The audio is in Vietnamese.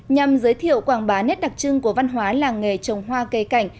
nhằm giới thiệu quảng bá nét đặc trưng của văn hóa làng nghề trồng hoa cây cảnh